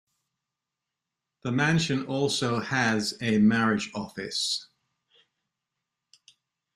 The mansion also has a marriage office.